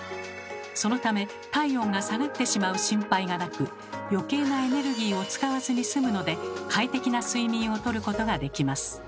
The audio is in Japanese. そのため体温が下がってしまう心配がなく余計なエネルギーを使わずにすむので快適な睡眠をとることができます。